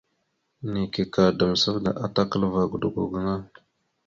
Neke ka damsavda atakalva godogo gaŋa.